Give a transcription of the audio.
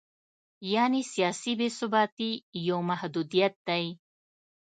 یعنې سیاسي بې ثباتي یو محدودیت دی.